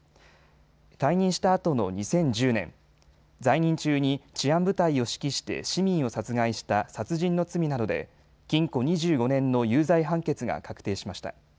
退任したあとの２０１０年、在任中に治安部隊を指揮して市民を殺害した殺人の罪などで禁錮２５年の有罪判決が確定しました。